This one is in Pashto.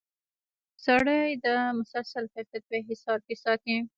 سړی د مسلسل کیفیت په حصار کې ساتي.